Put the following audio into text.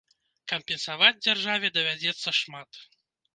Кампенсаваць дзяржаве давядзецца шмат.